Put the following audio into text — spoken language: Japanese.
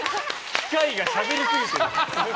機械がしゃべりすぎてる。